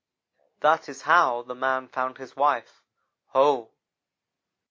"That is how the man found his wife Ho!"